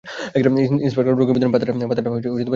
Inspector Rakibuddin পাতাটা ছিঁড়ে নিয়ে গেছেন।